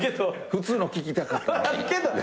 普通の聴きたかったのに。